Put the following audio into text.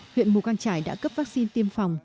huyện mù căng trải đã cấp vaccine tiêm phòng